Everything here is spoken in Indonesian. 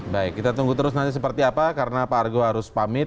baik kita tunggu terus nanti seperti apa karena pak argo harus pamit